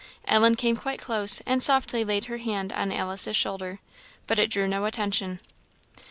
Ellen came quite close, and softly laid her hand on Alice's shoulder. But it drew no attention.